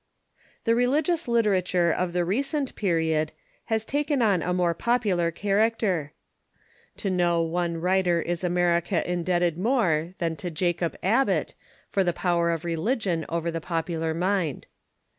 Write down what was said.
The religious literature of the recent period has taken on a more popular charactei*. To no one writer is America indebted more than to Jacob Abbott for the power of religion I ■}'^^V over the popular mind.